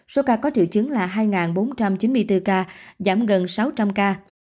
số ca có triệu chứng là hai bốn trăm chín mươi bốn ca giảm gần sáu trăm linh ca